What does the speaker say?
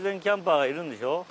キャンパーがいるんでしょ？